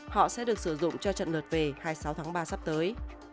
họ sẽ được sử dụng cho trận lượt về hai mươi sáu tháng ba sắp tới